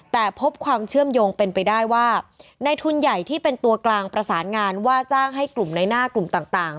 แต่พบความเชื่อมโยงเป็นไปได้ว่าในทุนใหญ่ที่เป็นตัวกลางประสานงานว่าจ้างให้กลุ่มในหน้ากลุ่มต่าง